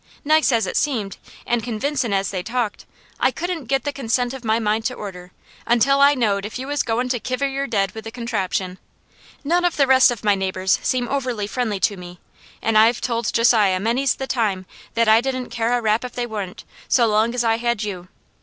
Nice as it seemed, an' convincin' as they talked, I couldn't get the consent of my mind to order, until I knowed if you was goin' to kiver your dead with the contraption. None of the rest of the neighbours seem over friendly to me, an' I've told Josiah many's the time, that I didn't care a rap if they wa'n't, so long as I had you.